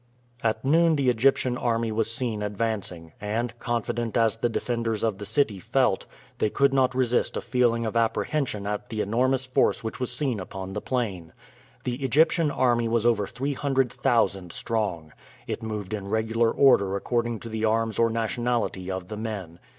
At noon the Egyptian army was seen advancing, and, confident as the defenders of the city felt, they could not resist a feeling of apprehension at the enormous force which was seen upon the plain. The Egyptian army was over three hundred thousand strong. It moved in regular order according to the arms or nationality of the men.